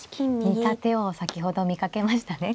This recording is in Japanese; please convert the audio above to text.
似た手を先ほど見かけましたね。